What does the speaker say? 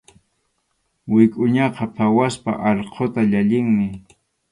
Wikʼuñaqa phawaspa allquta llallinmi.